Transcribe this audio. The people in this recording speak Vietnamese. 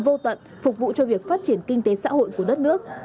vô tận phục vụ cho việc phát triển kinh tế xã hội của đất nước